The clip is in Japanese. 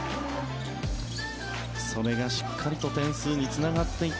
それがしっかりと点数につながっていった。